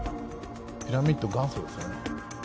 ピラミッド元祖ですよね。